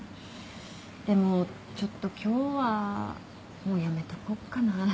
でもちょっと今日はもうやめとこっかな。